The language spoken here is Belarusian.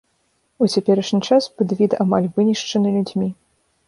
У цяперашні час падвід амаль вынішчаны людзьмі.